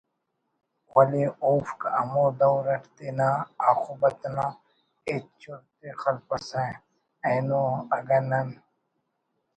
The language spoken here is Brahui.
ولے اوفک ہمو دور اٹ تینا آخبت نا ہچ چرت ءِ خلپسہ اینو اگہ نن